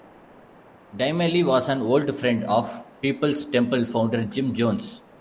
Dymally was an old friend of Peoples Temple founder Jim Jones.